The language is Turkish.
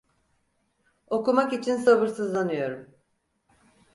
Okumak için sabırsızlanıyorum.